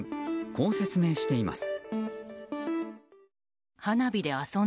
こう説明しています。